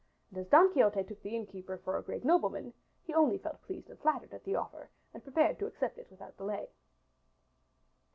And as Don Quixote took the innkeeper for a great nobleman, he only felt pleased and flattered at the offer and prepared to accept it without delay.